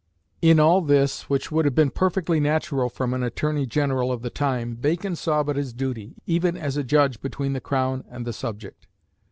In all this, which would have been perfectly natural from an Attorney General of the time, Bacon saw but his duty, even as a judge between the Crown and the subject.